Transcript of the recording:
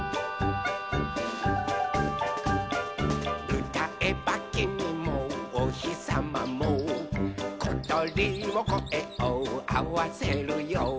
「うたえばきみもおひさまもことりもこえをあわせるよ」